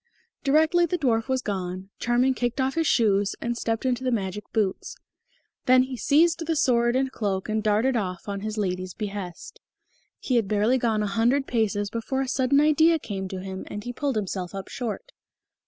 Directly the dwarf was gone, Charming kicked off his shoes and stepped into the magic boots; then he seized the sword and the cloak and darted off on his lady's behest. He had barely gone a hundred paces before a sudden idea came to him, and he pulled himself up short.